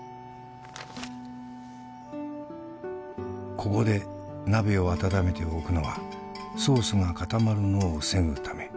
「ここで鍋を温めておくのは」「ソースが固まるのを防ぐため」